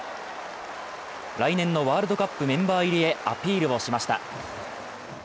来年のワールドカップメンバー入りへアピールをしました。